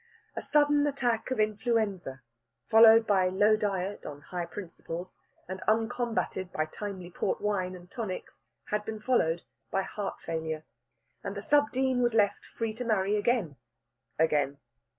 A sudden attack of influenza, followed by low diet on high principles, and uncombated by timely port wine and tonics, had been followed by heart failure, and the sub dean was left free to marry again, again.